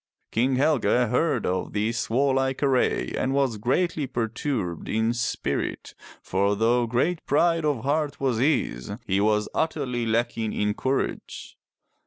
King Helge heard of this warlike array and was greatly per turbed in spirit, for though great pride of heart was his, he was 344 FROM THE TOWER WINDOW utterly lacking in courage.